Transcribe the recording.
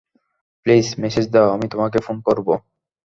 Please message দাও, আমি তোমাকে ফোন করব।